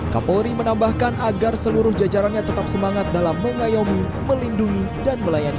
kapolri menambahkan agar seluruh jajarannya tetap semangat dalam mengayomi melindungi dan melayani